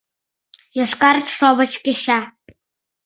Йошкар шовыч кеча.